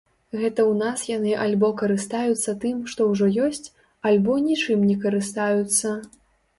Гэта ў нас яны альбо карыстаюцца тым, што ўжо ёсць, альбо нічым не карыстаюцца.